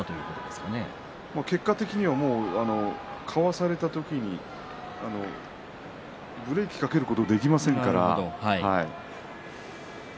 結果的にはかわされた時にブレーキをかけることができませんから。